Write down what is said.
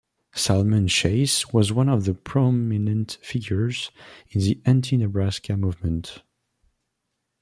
Salmon Chase was one of the prominent figures in the anti-Nebraska movement.